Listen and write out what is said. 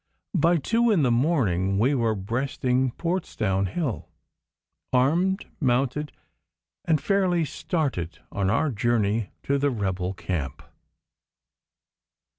By two in the morning we were breasting Portsdown Hill, armed, mounted, and fairly started on our journey to the rebel camp.